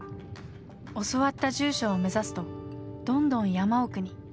教わった住所を目指すとどんどん山奥に。